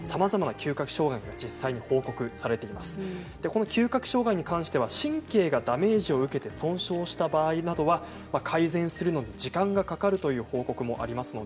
嗅覚障害、嗅覚障害に関しては神経がダメージを受けて損傷した場合は改善するのに時間がかかるという報告もあります。